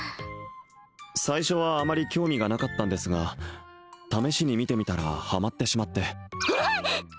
最初はあまり興味がなかったんですが試しに見てみたらハマってしまってんあっ！